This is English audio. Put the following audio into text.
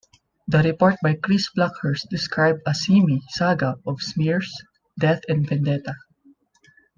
The report by Chris Blackhurst described A seamy saga of smears, death and vendetta.